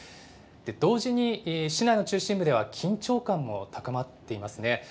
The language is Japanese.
同時に市内の中心部では、緊張感も高まっていますね。